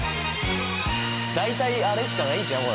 大体あれしかないんちゃう？